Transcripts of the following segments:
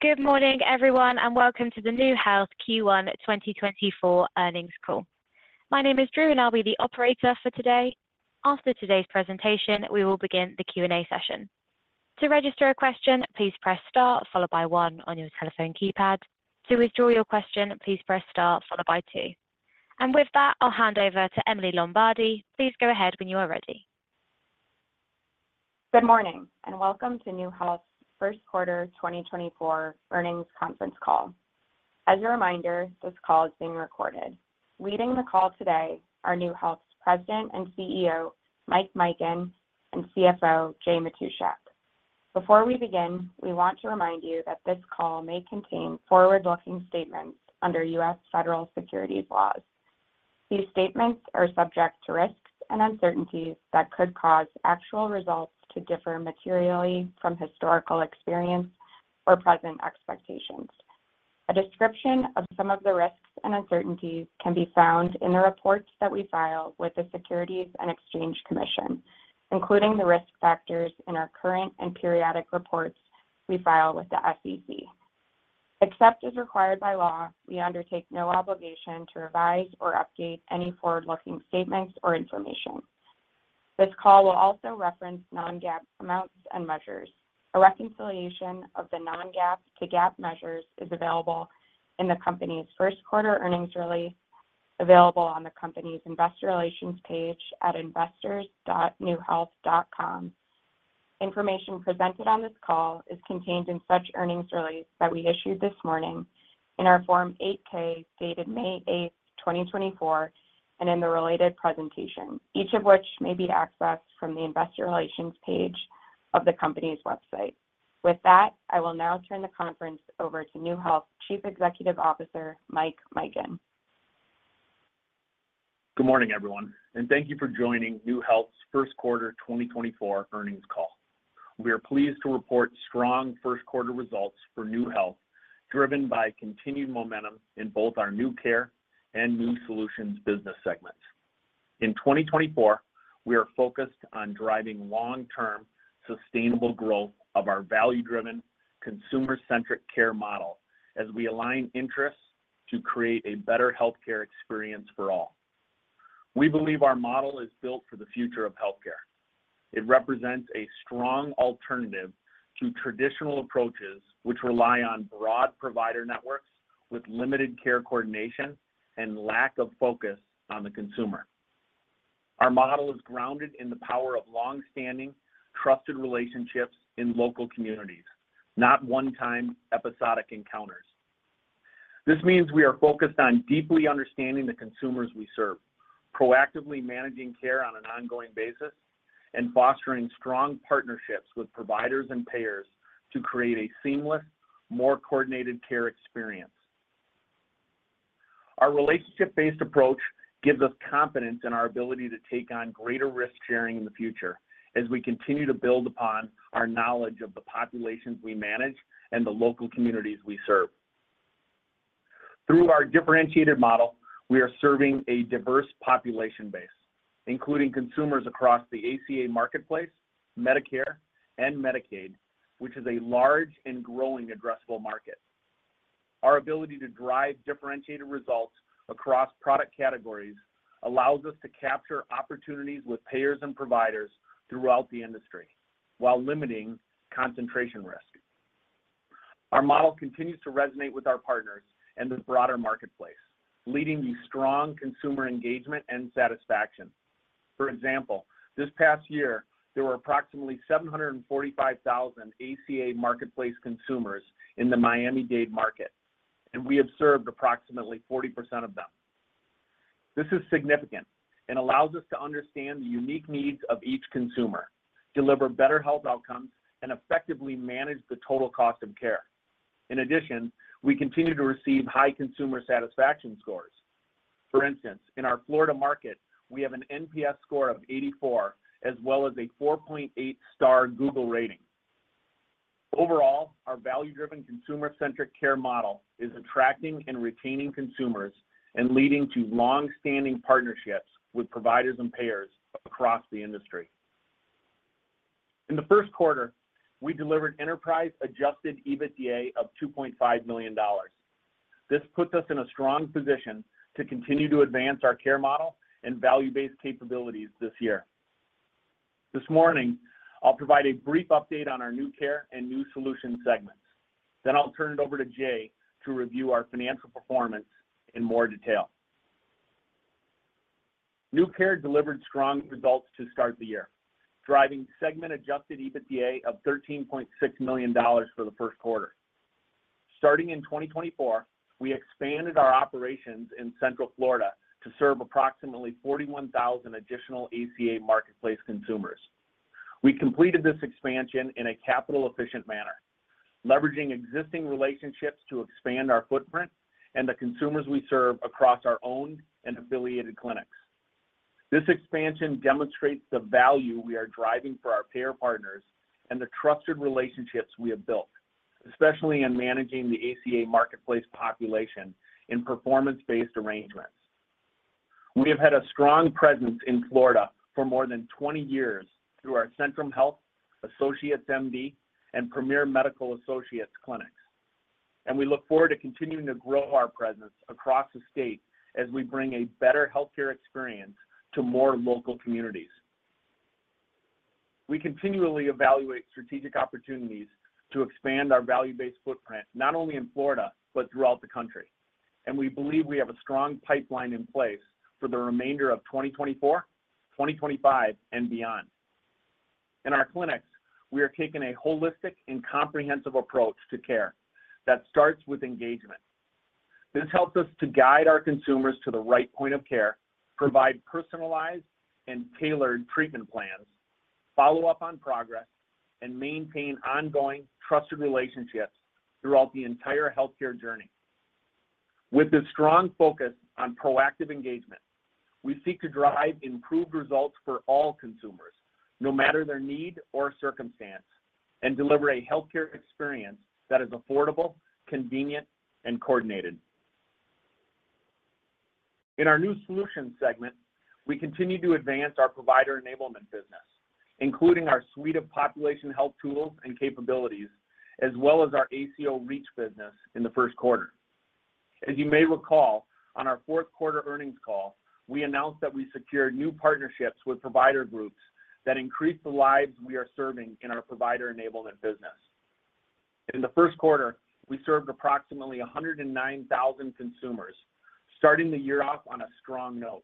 Good morning, everyone, and welcome to the NeueHealth Q1 2024 earnings call. My name is Drew, and I'll be the operator for today. After today's presentation, we will begin the Q&A session. To register a question, please press Star, followed by one on your telephone keypad. To withdraw your question, please press Star, followed by two. And with that, I'll hand over to Emily Lombardi. Please go ahead when you are ready. Good morning and welcome to NeueHealth's first quarter 2024 earnings conference call. As a reminder, this call is being recorded. Leading the call today are NeueHealth's President and CEO Mike Mikan and CFO Jay Matushak. Before we begin, we want to remind you that this call may contain forward-looking statements under U.S. federal securities laws. These statements are subject to risks and uncertainties that could cause actual results to differ materially from historical experience or present expectations. A description of some of the risks and uncertainties can be found in the reports that we file with the Securities and Exchange Commission, including the risk factors in our current and periodic reports we file with the SEC. Except as required by law, we undertake no obligation to revise or update any forward-looking statements or information. This call will also reference non-GAAP amounts and measures. A reconciliation of the non-GAAP to GAAP measures is available in the company's first quarter earnings release, available on the company's investor relations page at investors.neuehealth.com. Information presented on this call is contained in such earnings release that we issued this morning in our Form 8-K dated May 8, 2024, and in the related presentation, each of which may be accessed from the investor relations page of the company's website. With that, I will now turn the conference over to NeueHealth Chief Executive Officer Mike Mikan. Good morning, everyone, and thank you for joining NeueHealth's first quarter 2024 earnings call. We are pleased to report strong first quarter results for NeueHealth, driven by continued momentum in both our NeueCare and NeueSolutions business segments. In 2024, we are focused on driving long-term sustainable growth of our value-driven, consumer-centric care model as we align interests to create a better healthcare experience for all. We believe our model is built for the future of healthcare. It represents a strong alternative to traditional approaches which rely on broad provider networks with limited care coordination and lack of focus on the consumer. Our model is grounded in the power of long-standing, trusted relationships in local communities, not one-time, episodic encounters. This means we are focused on deeply understanding the consumers we serve, proactively managing care on an ongoing basis, and fostering strong partnerships with providers and payers to create a seamless, more coordinated care experience. Our relationship-based approach gives us confidence in our ability to take on greater risk-sharing in the future as we continue to build upon our knowledge of the populations we manage and the local communities we serve. Through our differentiated model, we are serving a diverse population base, including consumers across the ACA marketplace, Medicare, and Medicaid, which is a large and growing addressable market. Our ability to drive differentiated results across product categories allows us to capture opportunities with payers and providers throughout the industry while limiting concentration risk. Our model continues to resonate with our partners and the broader marketplace, leading to strong consumer engagement and satisfaction. For example, this past year, there were approximately 745,000 ACA marketplace consumers in the Miami-Dade market, and we observed approximately 40% of them. This is significant and allows us to understand the unique needs of each consumer, deliver better health outcomes, and effectively manage the total cost of care. In addition, we continue to receive high consumer satisfaction scores. For instance, in our Florida market, we have an NPS score of 84 as well as a 4.8-star Google rating. Overall, our value-driven, consumer-centric care model is attracting and retaining consumers and leading to long-standing partnerships with providers and payers across the industry. In the first quarter, we delivered enterprise-adjusted EBITDA of $2.5 million. This puts us in a strong position to continue to advance our care model and value-based capabilities this year. This morning, I'll provide a brief update on our NeueCare and NeueSolutions segments. Then I'll turn it over to Jay to review our financial performance in more detail. NeueCare delivered strong results to start the year, driving segment-adjusted EBITDA of $13.6 million for the first quarter. Starting in 2024, we expanded our operations in Central Florida to serve approximately 41,000 additional ACA marketplace consumers. We completed this expansion in a capital-efficient manner, leveraging existing relationships to expand our footprint and the consumers we serve across our own and affiliated clinics. This expansion demonstrates the value we are driving for our payer partners and the trusted relationships we have built, especially in managing the ACA marketplace population in performance-based arrangements. We have had a strong presence in Florida for more than 20 years through our Centrum Health, AssociatesMD and Premier Medical Associates clinics, and we look forward to continuing to grow our presence across the state as we bring a better healthcare experience to more local communities. We continually evaluate strategic opportunities to expand our value-based footprint not only in Florida but throughout the country, and we believe we have a strong pipeline in place for the remainder of 2024, 2025, and beyond. In our clinics, we are taking a holistic and comprehensive approach to care that starts with engagement. This helps us to guide our consumers to the right point of care, provide personalized and tailored treatment plans, follow up on progress, and maintain ongoing trusted relationships throughout the entire healthcare journey. With a strong focus on proactive engagement, we seek to drive improved results for all consumers, no matter their need or circumstance, and deliver a healthcare experience that is affordable, convenient, and coordinated. In our NeueSolutions segment, we continue to advance our provider enablement business, including our suite of population health tools and capabilities, as well as our ACO REACH business in the first quarter. As you may recall, on our fourth quarter earnings call, we announced that we secured new partnerships with provider groups that increased the lives we are serving in our provider enablement business. In the first quarter, we served approximately 109,000 consumers, starting the year off on a strong note.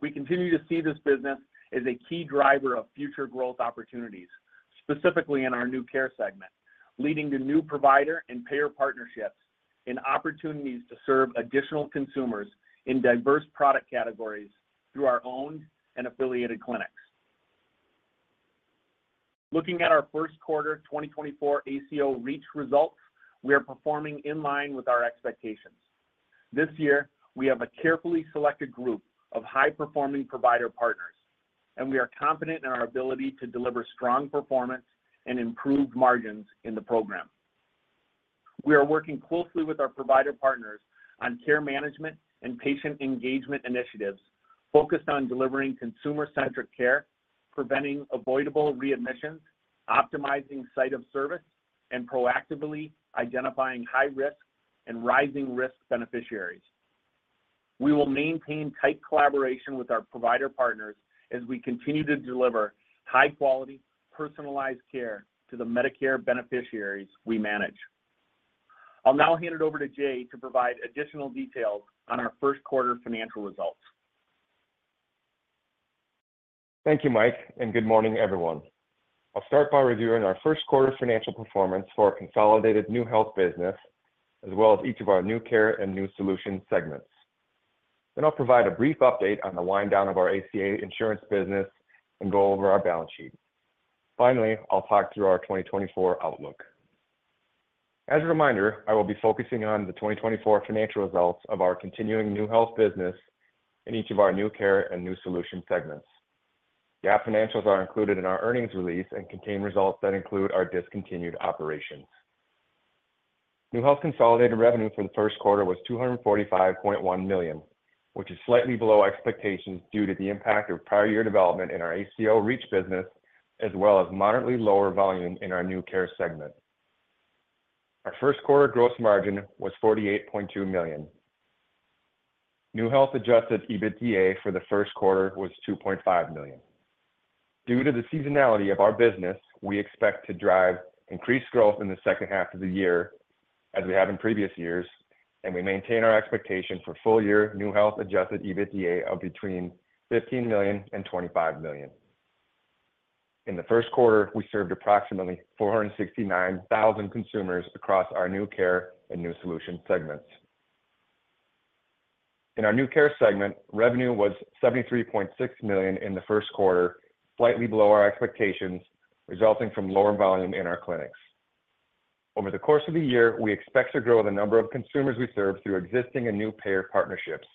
We continue to see this business as a key driver of future growth opportunities, specifically in our NeueCare segment, leading to new provider and payer partnerships and opportunities to serve additional consumers in diverse product categories through our own and affiliated clinics. Looking at our first quarter 2024 ACO REACH results, we are performing in line with our expectations. This year, we have a carefully selected group of high-performing provider partners, and we are confident in our ability to deliver strong performance and improved margins in the program. We are working closely with our provider partners on care management and patient engagement initiatives focused on delivering consumer-centric care, preventing avoidable readmissions, optimizing site of service, and proactively identifying high-risk and rising-risk beneficiaries. We will maintain tight collaboration with our provider partners as we continue to deliver high-quality, personalized care to the Medicare beneficiaries we manage. I'll now hand it over to Jay to provide additional details on our first quarter financial results. Thank you, Mike, and good morning, everyone. I'll start by reviewing our first quarter financial performance for our consolidated NeueHealth business as well as each of our NeueCare and NeueSolutions segments. Then I'll provide a brief update on the wind-down of our ACA insurance business and go over our balance sheet. Finally, I'll talk through our 2024 outlook. As a reminder, I will be focusing on the 2024 financial results of our continuing NeueHealth business in each of our NeueCare and NeueSolutions segments. GAAP financials are included in our earnings release and contain results that include our discontinued operations. NeueHealth consolidated revenue for the first quarter was $245.1 million, which is slightly below expectations due to the impact of prior-year development in our ACO REACH business as well as moderately lower volume in our NeueCare segment. Our first quarter gross margin was $48.2 million. NeueHealth adjusted EBITDA for the first quarter was $2.5 million. Due to the seasonality of our business, we expect to drive increased growth in the second half of the year as we have in previous years, and we maintain our expectation for full-year NeueHealth adjusted EBITDA of between $15 million and $25 million. In the first quarter, we served approximately 469,000 consumers across our NeueCare and NeueSolutions segments. In our NeueCare segment, revenue was $73.6 million in the first quarter, slightly below our expectations, resulting from lower volume in our clinics. Over the course of the year, we expect to grow the number of consumers we serve through existing and new payer partnerships,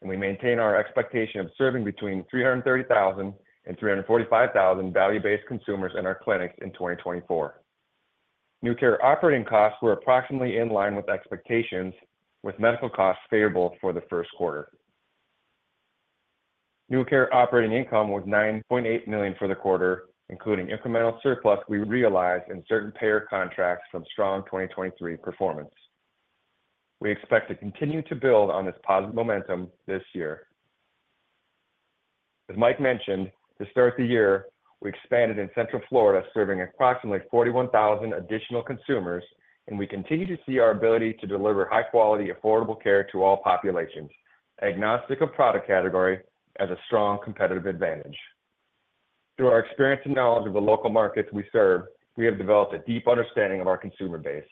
and we maintain our expectation of serving between 330,000 and 345,000 value-based consumers in our clinics in 2024. NeueCare operating costs were approximately in line with expectations, with medical costs favorable for the first quarter. NeueCare operating income was $9.8 million for the quarter, including incremental surplus we realized in certain payer contracts from strong 2023 performance. We expect to continue to build on this positive momentum this year. As Mike mentioned, to start the year, we expanded in Central Florida, serving approximately 41,000 additional consumers, and we continue to see our ability to deliver high-quality, affordable care to all populations, agnostic of product category, as a strong competitive advantage. Through our experience and knowledge of the local markets we serve, we have developed a deep understanding of our consumer base.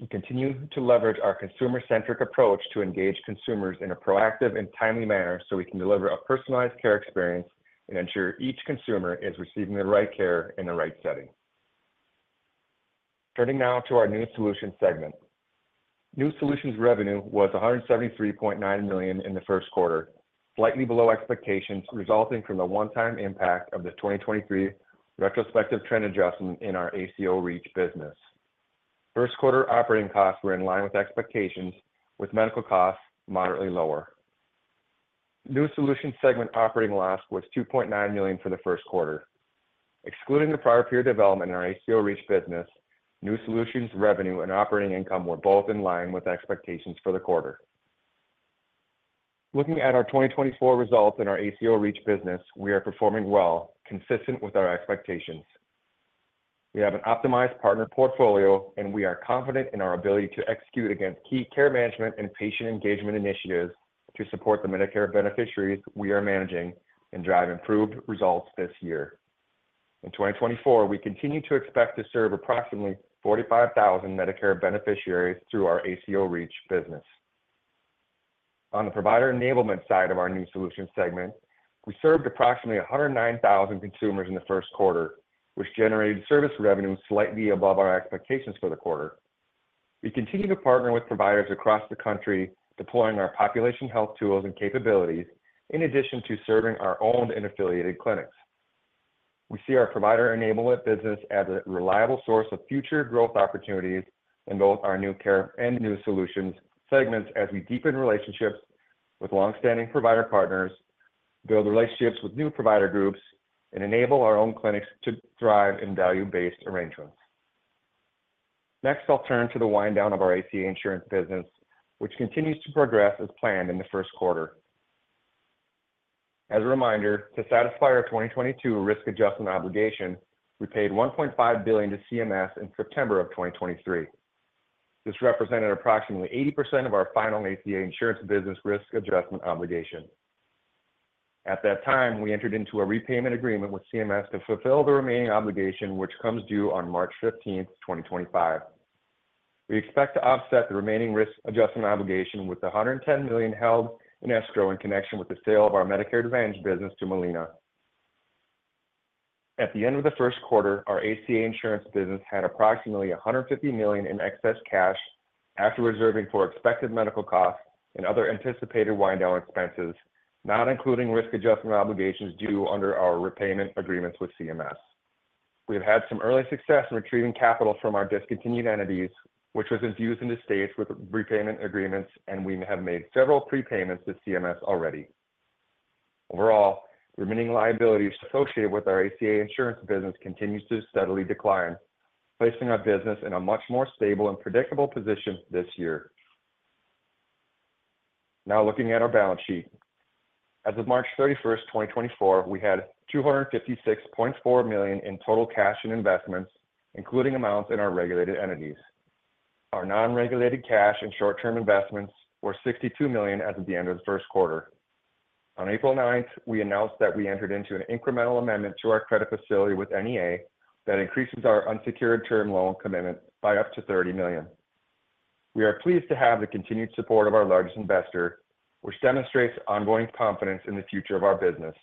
We continue to leverage our consumer-centric approach to engage consumers in a proactive and timely manner so we can deliver a personalized care experience and ensure each consumer is receiving the right care in the right setting. Turning now to our NeueSolutions segment. NeueSolutions revenue was $173.9 million in the first quarter, slightly below expectations, resulting from the one-time impact of the 2023 retrospective trend adjustment in our ACO REACH business. First quarter operating costs were in line with expectations, with medical costs moderately lower. NeueSolutions segment operating loss was $2.9 million for the first quarter. Excluding the prior-year development in our ACO REACH business, NeueSolutions revenue and operating income were both in line with expectations for the quarter. Looking at our 2024 results in our ACO REACH business, we are performing well, consistent with our expectations. We have an optimized partner portfolio, and we are confident in our ability to execute against key care management and patient engagement initiatives to support the Medicare beneficiaries we are managing and drive improved results this year. In 2024, we continue to expect to serve approximately 45,000 Medicare beneficiaries through our ACO REACH business. On the provider enablement side of our NeueSolutions segment, we served approximately 109,000 consumers in the first quarter, which generated service revenue slightly above our expectations for the quarter. We continue to partner with providers across the country, deploying our population health tools and capabilities in addition to serving our own and affiliated clinics. We see our provider enablement business as a reliable source of future growth opportunities in both our NeueCare and NeueSolutions segments as we deepen relationships with longstanding provider partners, build relationships with new provider groups, and enable our own clinics to thrive in value-based arrangements. Next, I'll turn to the wind-down of our ACA insurance business, which continues to progress as planned in the first quarter. As a reminder, to satisfy our 2022 risk adjustment obligation, we paid $1.5 billion to CMS in September of 2023. This represented approximately 80% of our final ACA insurance business risk adjustment obligation. At that time, we entered into a repayment agreement with CMS to fulfill the remaining obligation, which comes due on March 15, 2025. We expect to offset the remaining risk adjustment obligation with the $110 million held in escrow in connection with the sale of our Medicare Advantage business to Molina. At the end of the first quarter, our ACA insurance business had approximately $150 million in excess cash after reserving for expected medical costs and other anticipated wind-down expenses, not including risk adjustment obligations due under our repayment agreements with CMS. We have had some early success in retrieving capital from our discontinued entities, which was infused into states with repayment agreements, and we have made several prepayments to CMS already. Overall, remaining liabilities associated with our ACA insurance business continue to steadily decline, placing our business in a much more stable and predictable position this year. Now, looking at our balance sheet. As of March 31, 2024, we had $256.4 million in total cash and investments, including amounts in our regulated entities. Our non-regulated cash and short-term investments were $62 million at the end of the first quarter. On April 9th, we announced that we entered into an incremental amendment to our credit facility with NEA that increases our unsecured term loan commitment by up to $30 million. We are pleased to have the continued support of our largest investor, which demonstrates ongoing confidence in the future of our business.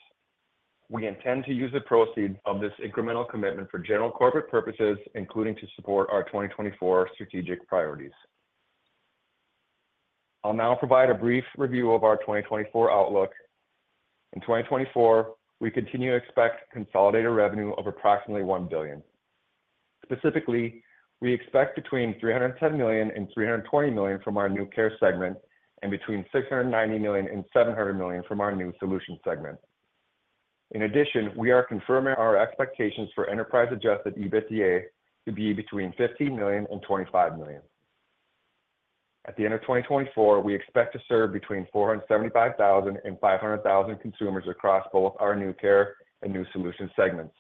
We intend to use the proceeds of this incremental commitment for general corporate purposes, including to support our 2024 strategic priorities. I'll now provide a brief review of our 2024 outlook. In 2024, we continue to expect consolidated revenue of approximately $1 billion. Specifically, we expect between $310 million and $320 million from our NeueCare segment and between $690 million and $700 million from our NeueSolutions segment. In addition, we are confirming our expectations for enterprise-adjusted EBITDA to be between $15 million and $25 million. At the end of 2024, we expect to serve between 475,000 and 500,000 consumers across both our NeueCare and NeueSolutions segments,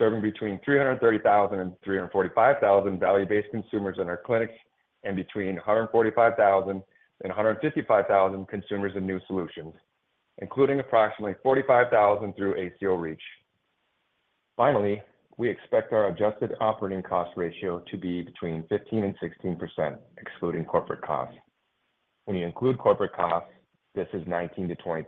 serving between 330,000 and 345,000 value-based consumers in our clinics and between 145,000 and 155,000 consumers in NeueSolutions, including approximately 45,000 through ACO REACH. Finally, we expect our adjusted operating cost ratio to be between 15% and 16%, excluding corporate costs. When you include corporate costs, this is 19%-20%.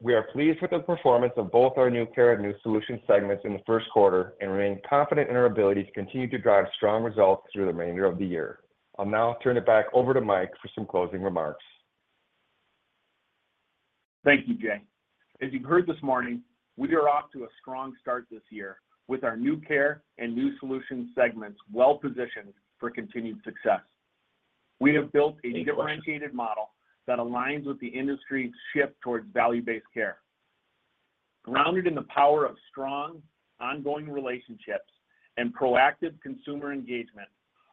We are pleased with the performance of both our NeueCare and NeueSolutions segments in the first quarter and remain confident in our ability to continue to drive strong results through the remainder of the year. I'll now turn it back over to Mike for some closing remarks. Thank you, Jay. As you've heard this morning, we are off to a strong start this year with our NeueCare and NeueSolutions segments well positioned for continued success. We have built a differentiated model that aligns with the industry's shift towards value-based care. Grounded in the power of strong, ongoing relationships and proactive consumer engagement,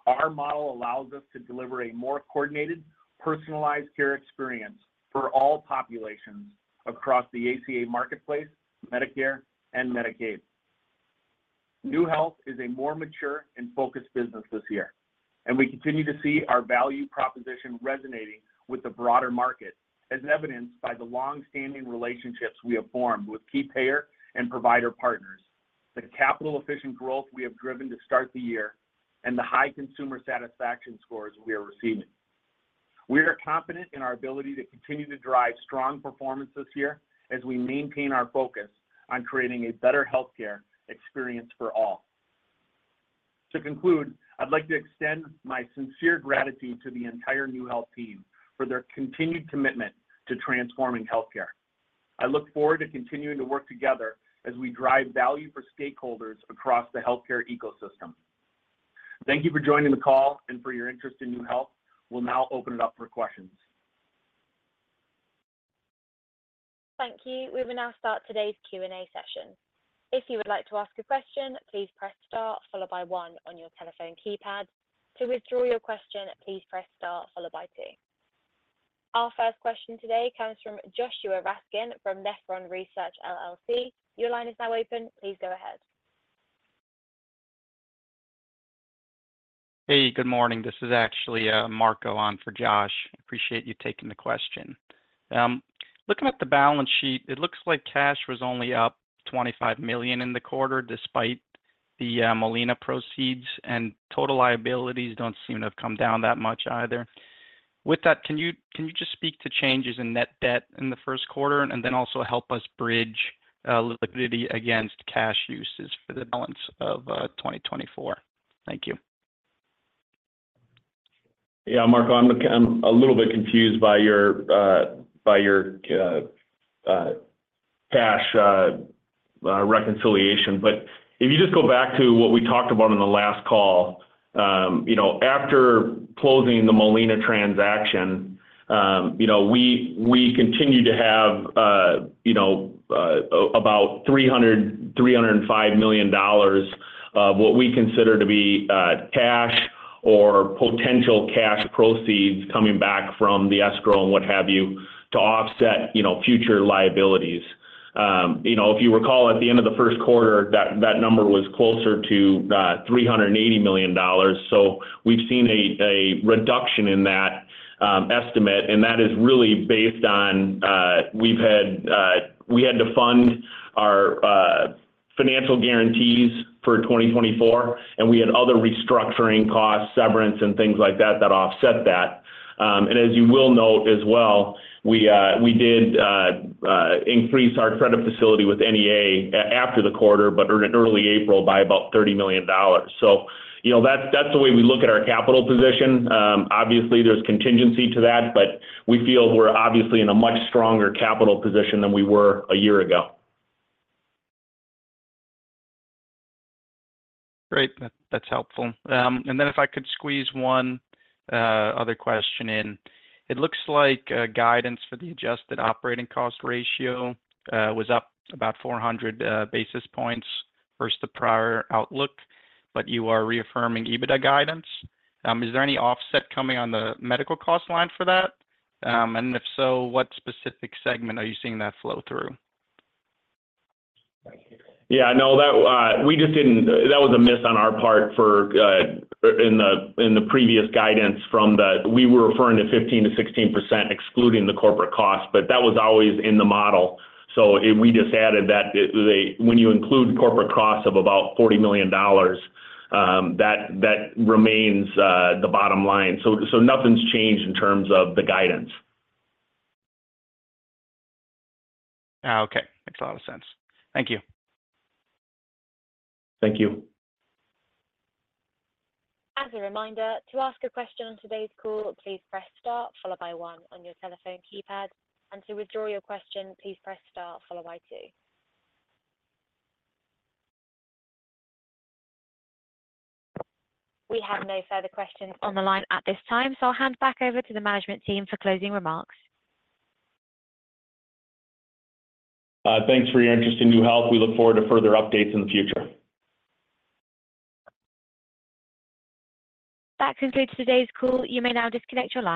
our model allows us to deliver a more coordinated, personalized care experience for all populations across the ACA marketplace, Medicare, and Medicaid. NeueHealth is a more mature and focused business this year, and we continue to see our value proposition resonating with the broader market, as evidenced by the longstanding relationships we have formed with key payer and provider partners, the capital-efficient growth we have driven to start the year, and the high consumer satisfaction scores we are receiving. We are confident in our ability to continue to drive strong performance this year as we maintain our focus on creating a better healthcare experience for all. To conclude, I'd like to extend my sincere gratitude to the entire NeueHealth team for their continued commitment to transforming healthcare. I look forward to continuing to work together as we drive value for stakeholders across the healthcare ecosystem. Thank you for joining the call and for your interest in NeueHealth. We'll now open it up for questions. Thank you. We will now start today's Q&A session. If you would like to ask a question, please press Start followed by one on your telephone keypad. To withdraw your question, please press Start followed by two. Our first question today comes from Joshua Raskin from Nephron Research, LLC. Your line is now open. Please go ahead. Hey, good morning. This is actually Marco on for Josh. Appreciate you taking the question. Looking at the balance sheet, it looks like cash was only up $25 million in the quarter despite the Molina proceeds, and total liabilities don't seem to have come down that much either. With that, can you just speak to changes in net debt in the first quarter and then also help us bridge liquidity against cash uses for the balance of 2024? Thank you. Yeah, Marco, I'm a little bit confused by your cash reconciliation. But if you just go back to what we talked about on the last call, after closing the Molina transaction, we continued to have about $305 million of what we consider to be cash or potential cash proceeds coming back from the escrow and what have you to offset future liabilities. If you recall, at the end of the first quarter, that number was closer to $380 million. So we've seen a reduction in that estimate, and that is really based on we had to fund our financial guarantees for 2024, and we had other restructuring costs, severance, and things like that that offset that. And as you will note as well, we did increase our credit facility with NEA after the quarter but early April by about $30 million. So that's the way we look at our capital position. Obviously, there's contingency to that, but we feel we're obviously in a much stronger capital position than we were a year ago. Great. That's helpful. And then if I could squeeze one other question in. It looks like guidance for the adjusted operating cost ratio was up about 400 basis points versus the prior outlook, but you are reaffirming EBITDA guidance. Is there any offset coming on the medical cost line for that? And if so, what specific segment are you seeing that flow through? Yeah, no, we just didn't. That was a miss on our part in the previous guidance from the. We were referring to 15%-16% excluding the corporate cost, but that was always in the model. So we just added that when you include corporate costs of about $40 million, that remains the bottom line. So nothing's changed in terms of the guidance. Okay. Makes a lot of sense. Thank you. Thank you. As a reminder, to ask a question on today's call, please press star followed by one on your telephone keypad. To withdraw your question, please press star followed by two. We have no further questions on the line at this time, so I'll hand back over to the management team for closing remarks. Thanks for your interest in NeueHealth. We look forward to further updates in the future. That concludes today's call. You may now disconnect your line.